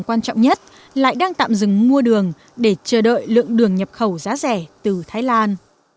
quan trọng nhất lại đang tạm dừng mua đường để chờ đợi lượng đường nhập khẩu giá rẻ từ thái lan